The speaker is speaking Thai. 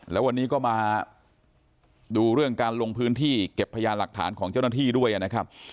แล้ววันนี้ก็มาดูเรื่องการลงพื้นที่เก็บพยานหลักฐานของเจ้าหน้าที่ด้วยนะครับ